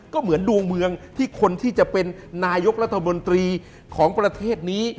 ก็เหมือนดวงเมืองที่คนที่จะเป็นนายกรัฐมนตรีของประเทศนี้